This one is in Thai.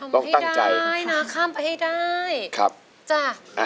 ทำให้ได้นะคำให้ได้